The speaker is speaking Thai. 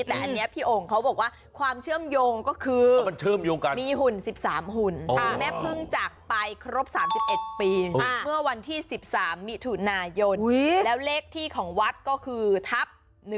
แต่อันนี้พี่โอ่งเขาบอกว่าความเชื่อมโยงก็คือมีหุ่น๑๓หุ่นแม่พึ่งจากไปครบ๓๑ปีเมื่อวันที่๑๓มิถุนายนแล้วเลขที่ของวัดก็คือทับ๑